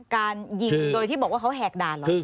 การยิงโดยที่บอกว่าเขาแหกด่านเหรอ